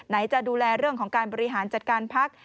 จะดูแลเรื่องของการบริหารจัดการพัก